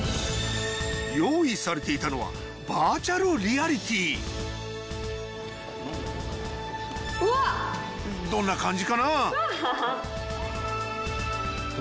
用意されていたのはバーチャルリアリティーどんな感じかな？